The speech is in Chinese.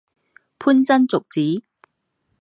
潘珍族子。